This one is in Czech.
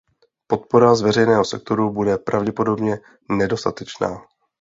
Podpora z veřejného sektoru bude pravděpodobně nedostatečná.